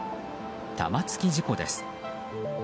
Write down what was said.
玉突き事故です。